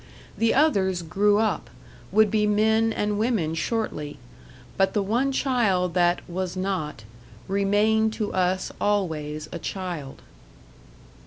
The others grew up would be men and women shortly but the one child that "was not," remained to us always a child.